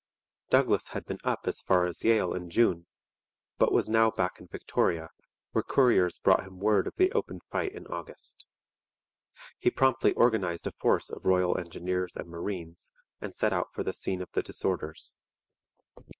Douglas had been up as far as Yale in June, but was now back in Victoria, where couriers brought him word of the open fight in August. He promptly organized a force of Royal Engineers and marines and set out for the scene of the disorders.